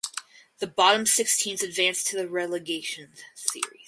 The bottom six teams advanced to the Relegation Series.